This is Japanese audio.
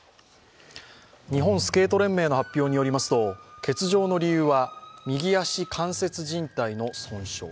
日本スケート連盟の発表によりますと欠場の理由は、右足関節じん帯の損傷。